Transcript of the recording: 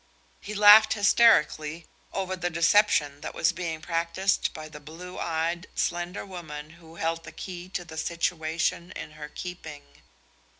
He laughed hysterically over the deception that was being practiced by the blue eyed, slender woman who held the key to the situation in her keeping.